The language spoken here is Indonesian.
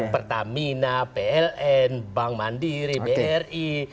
pertamina pln bank mandiri bri